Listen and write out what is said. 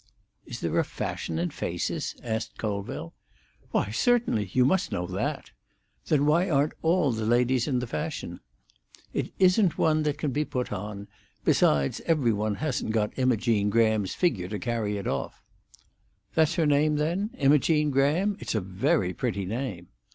"Is there a fashion in faces?" asked Colville. "Why, certainly. You must know that." "Then why aren't all the ladies in the fashion?" "It isn't one that can be put on. Besides, every one hasn't got Imogene Graham's figure to carry it off." "That's her name, then—Imogene Graham. It's a very pretty name."